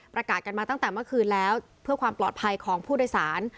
ประกาศกันมาตั้งแต่เมื่อคืนแล้วเพื่อความปลอดภัยของผู้โดยสาร